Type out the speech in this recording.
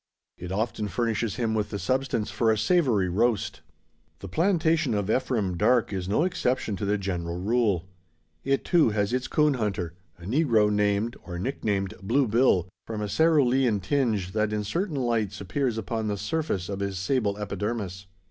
It often furnishes him with the substance for a savoury roast. The plantation of Ephraim Darke is no exception to the general rule. It, too, has its coon hunter a negro named, or nicknamed, "Blue Bill;" the qualifying term bestowed, from a cerulean tinge, that in certain lights appears upon the surface of his sable epidermis.